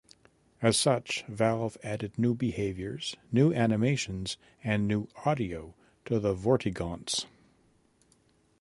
As such, Valve added new behaviours, new animations, and new audio to the Vortigaunts.